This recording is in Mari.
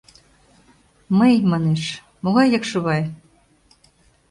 — Мый, манеш, могай Якшывай?